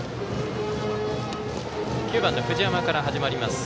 ９番の藤山から始まります。